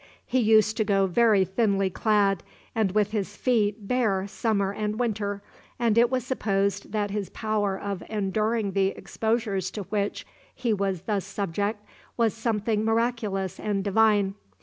He used to go very thinly clad, and with his feet bare summer and winter, and it was supposed that his power of enduring the exposures to which he was thus subject was something miraculous and divine.